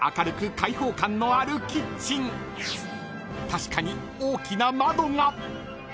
［確かに大きな窓が］